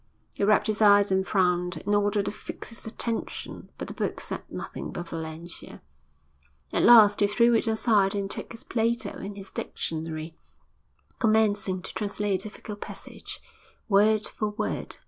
He rubbed his eyes and frowned, in order to fix his attention, but the book said nothing but Valentia. At last he threw it aside and took his Plato and his dictionary, commencing to translate a difficult passage, word for word.